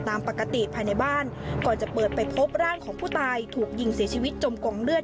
ตามปกติภายในบ้านก่อนจะเปิดไปพบร่างของผู้ตายถูกยิงเสียชีวิตจมกองเลือด